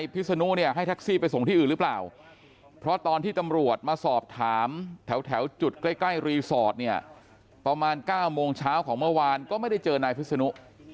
ประมาณ๙โมงเช้าของเมื่อวานก็ไม่ได้เจอนายพิศนุ